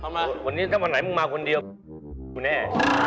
มาวันนี้ถ้าวันไหนมึงมาคนเดียวกูแน่